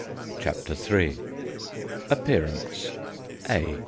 CHAPTER III APPEARANCE A.